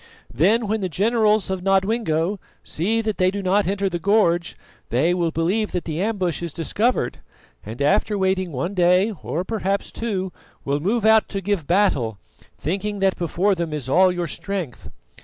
Then when the generals of Nodwengo see that they do not enter the gorge, they will believe that the ambush is discovered, and, after waiting one day or perhaps two, will move out to give battle, thinking that before them is all your strength.